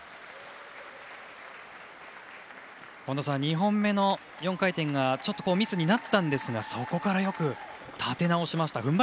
本田さん、２本目の４回転がちょっとミスになったんですがそこからよく立て直しました。